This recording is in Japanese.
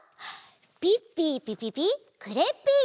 ピッピーピピピクレッピー！